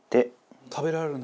食べられるんだ」